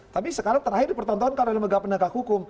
tapi sekarang terakhir dipertontonkan oleh lembaga penegak hukum